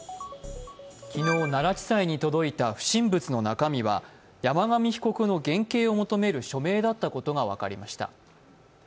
昨日、奈良地裁に届いた不審物の中身は山上被告の減軽を求める署名だったことが分かりました。